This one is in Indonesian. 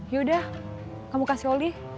yaudah kamu kasih oli